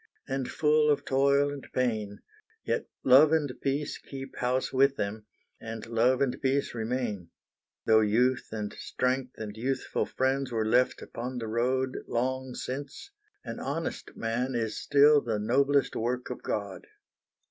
And full of toil and pain, Yet love and peace kept house with them, And love and peace remain. Though youth and strength and youthful friends Were left upon the road Long since, an honest man is still The noblest work of God.